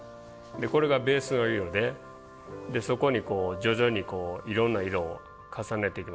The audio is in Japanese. これがベースの色でそこに徐々にいろんな色を重ねていきます。